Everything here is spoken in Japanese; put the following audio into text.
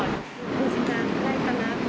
５時間ぐらいかな。